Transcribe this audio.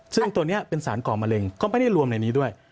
ซึ่งตัวนี้เป็นสารก่อมะเร็งก็ไม่ได้รวมในนี้ด้วย